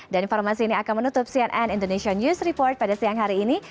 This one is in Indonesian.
dan informasi ini akan menutup cnn indonesian news report pada siang hari ini